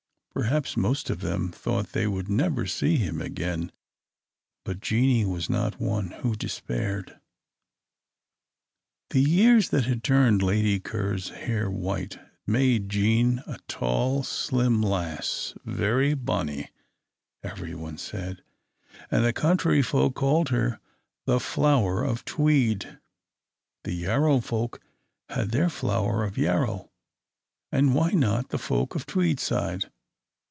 Perhaps most of them thought they would never see him again, but Jeanie was not one who despaired. The years that had turned Lady Ker's hair white, had made Jean a tall, slim lass "very bonny," everyone said; and the country people called her the Flower of Tweed. The Yarrow folk had their Flower of Yarrow, and why not the folk of Tweedside?